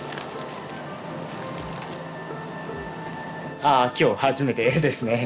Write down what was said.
ああ今日初めてですね。